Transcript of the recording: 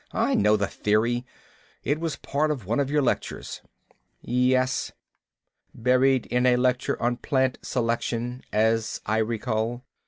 "I know the theory. It was part of one of your lectures." "Yes, buried in a lecture on plant selection, as I recall.